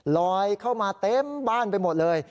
ลอยเข้ามาเต็มบ้านไปหมดเลย